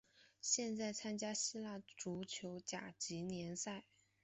现在参加希腊足球甲级联赛。